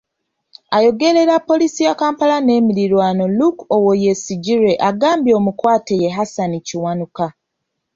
Ayogerera Poliisi ya Kampala n'emiriraano Luke Owoyesigyire agambye omukwate ye Hassan Kiwanuka.